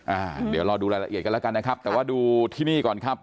อ่าเดี๋ยวรอดูรายละเอียดกันแล้วกันนะครับแต่ว่าดูที่นี่ก่อนครับ